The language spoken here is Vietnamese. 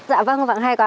dạ vâng vâng hay quá